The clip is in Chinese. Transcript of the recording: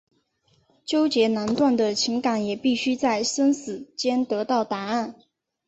纠结难断的情感也必须在生死间得到答案。